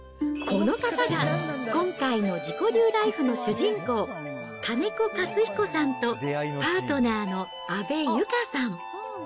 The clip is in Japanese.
この方が、今回の自己流ライフの主人公、金子勝彦さんと、パートナーの阿部由佳さん。